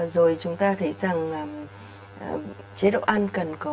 rồi chúng ta thấy rằng chế độ ăn cần cố gắng để ăn đậu đỗ